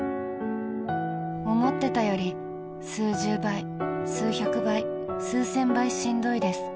思ってたより数十倍、数百倍、数千倍しんどいです。